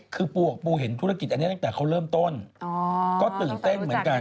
คือปูเห็นธุรกิจอันนี้ตั้งแต่เขาเริ่มต้นก็ตื่นเต้นเหมือนกัน